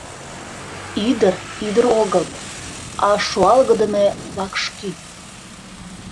Ӱдыр ӱдыр огыл, а шуалгыдыме вакшкӱ.